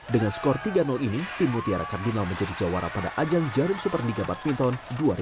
dengan skor tiga ini tim mutiara kardinal menjadi jawara pada ajang jarum superliga badminton dua ribu tujuh belas